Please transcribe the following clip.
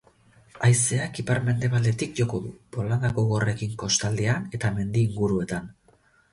Haizeak ipar-mendebaldetik joko du, bolada gogorrekin kostaldean eta mendi inguruetan.